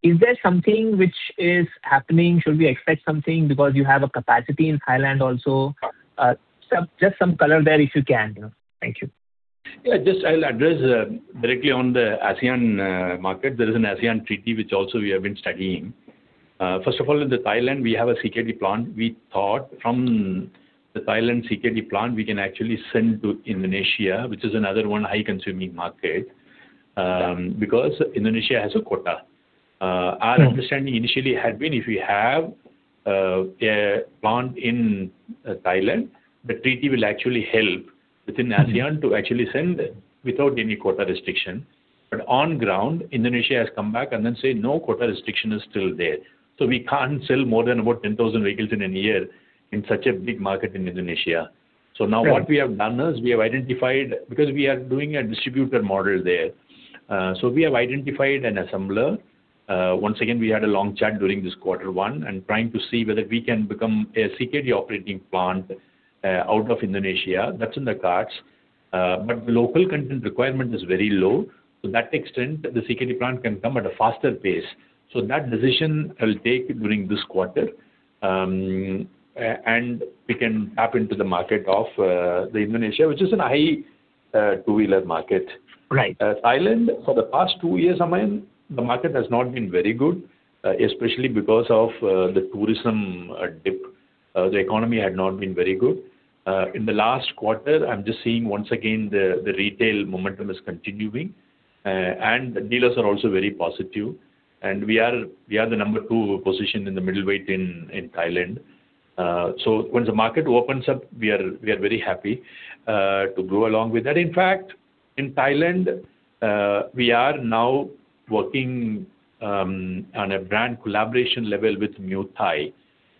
is there something which is happening? Should we expect something because you have a capacity in Thailand also? Just some color there if you can. Thank you. Yeah. I'll address directly on the ASEAN market. There is an ASEAN treaty which also we have been studying. First of all, in Thailand, we have a CKD plant. We thought from the Thailand CKD plant, we can actually send to Indonesia, which is another high consuming market, because Indonesia has a quota. Our understanding initially had been, if we have a plant in Thailand, the treaty will actually help within ASEAN to actually send without any quota restriction. On ground, Indonesia has come back and then said, no, quota restriction is still there. We can't sell more than about 10,000 vehicles in a year in such a big market in Indonesia. Right. Now what we have done is we have identified, because we are doing a distributor model there, we have identified an assembler. Once again, we had a long chat during this quarter one and trying to see whether we can become a CKD operating plant out of Indonesia. That's in the cards. The local content requirement is very low. To that extent, the CKD plant can come at a faster pace. That decision I will take during this quarter. We can tap into the market of Indonesia, which is a high two-wheeler market. Right. Thailand, for the past two years, the market has not been very good, especially because of the tourism dip. The economy had not been very good. In the last quarter, I'm just seeing once again, the retail momentum is continuing. The dealers are also very positive. We are the number two position in the middleweight in Thailand. When the market opens up, we are very happy to go along with that. In fact, in Thailand, we are now working on a brand collaboration level with Muay Thai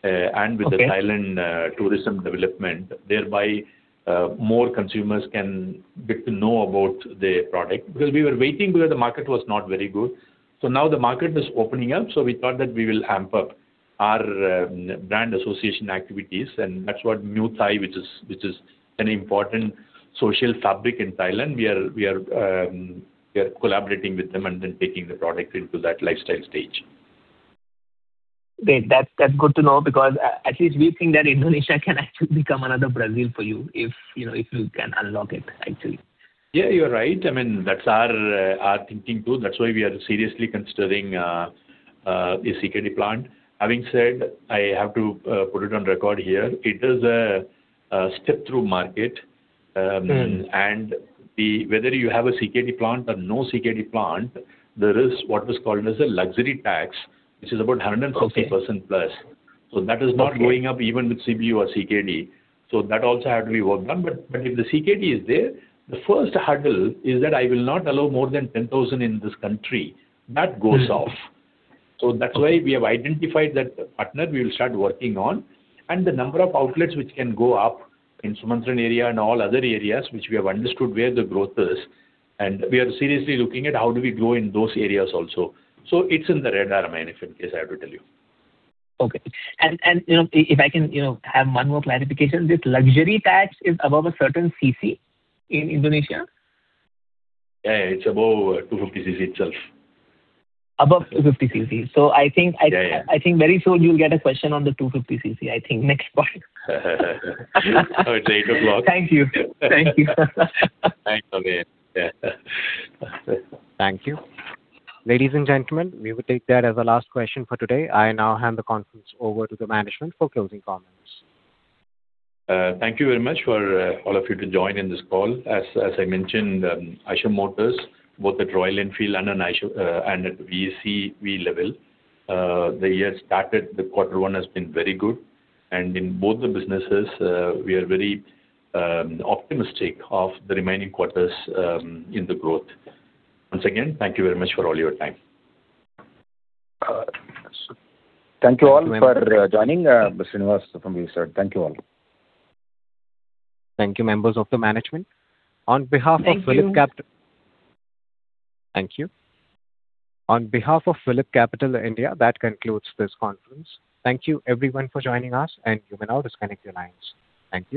Okay With the Thailand Tourism Development. Thereby, more consumers can get to know about the product. We were waiting because the market was not very good. Now the market is opening up, we thought that we will amp up our brand association activities, that's what Muay Thai, which is an important social fabric in Thailand. We are collaborating with them and then taking the product into that lifestyle stage. Great. That's good to know because at least we think that Indonesia can actually become another Brazil for you if you can unlock it, actually. Yeah, you're right. That's our thinking, too. That's why we are seriously considering a CKD plant. Having said, I have to put it on record here, it is a step-through market. Whether you have a CKD plant or no CKD plant, there is what is called as a luxury tax, which is about 150%- Okay plus. That is not- Okay going up even with CBU or CKD. That also had to be worked on. If the CKD is there, the first hurdle is that I will not allow more than 10,000 in this country. That goes off. Okay. That's why we have identified that partner we will start working on. The number of outlets which can go up in Sumatra area and all other areas, which we have understood where the growth is, we are seriously looking at how do we grow in those areas also. It's in the radar, if in case I have to tell you. Okay. If I can have one more clarification. This luxury tax is above a certain cc in Indonesia? Yeah, it's above 250cc itself. Above 250cc. Yeah, yeah. Very soon you'll get a question on the 250cc, I think next quarter. Okay goodluck. Thank you. Thanks, Amyn. Yeah. Thank you. Ladies and gentlemen, we will take that as our last question for today. I now hand the conference over to the management for closing comments. Thank you very much for all of you to join in this call. As I mentioned, Eicher Motors, both at Royal Enfield and at VECV level, the year started, the quarter one has been very good. In both the businesses, we are very optimistic of the remaining quarters in the growth. Once again, thank you very much for all your time. Thank you all for joining. This is Srinivas. [inaudible] Thank you all. Thank you, members of the management. On behalf of PhillipCapital. Thank you. Thank you. On behalf of PhillipCapital India, that concludes this conference. Thank you everyone for joining us, and you may now disconnect your lines. Thank you.